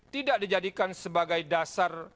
tidak dijadikan sebagai dasar